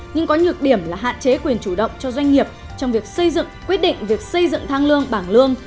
nhưng có nhược điểm là hạn chế quyền chủ động cho doanh nghiệp trong việc xây dựng quyết định việc xây dựng thang lương bảng lương